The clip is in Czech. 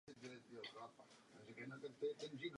Plán byl odložen vinou druhé světové války.